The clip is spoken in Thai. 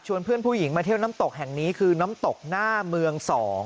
เพื่อนผู้หญิงมาเที่ยวน้ำตกแห่งนี้คือน้ำตกหน้าเมือง๒